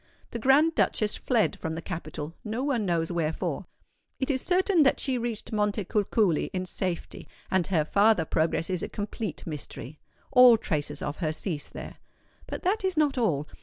The Grand Duchess fled from the capital—no one knows wherefore. It is certain that she reached Montecuculi in safety; and her farther progress is a complete mystery. All traces of her cease there. But that is not all.